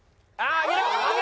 上げろ！